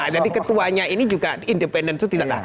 jadi ketuanya ini juga independen itu tidak